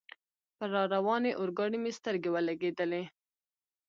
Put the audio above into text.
پر را روانې اورګاډي مې سترګې ولګېدلې.